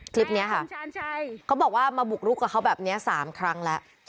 คลิปนี้ค่ะเขาบอกว่ามาบุกรุกกับเขาแบบนี้๓ครั้งแล้ว